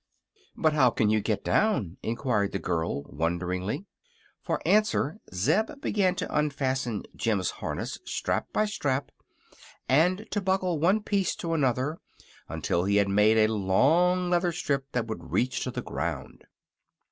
"But how can you get down?" enquired the girl, wonderingly. For answer Zeb began to unfasten Jim's harness, strap by strap, and to buckle one piece to another until he had made a long leather strip that would reach to the ground.